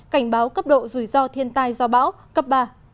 cảnh báo cấp độ rủi ro thiên tai do bão cấp ba